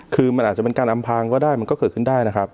คือมันอาจจะเป็นการอำพางก็ได้มันก็เกิดขึ้นได้นะครับ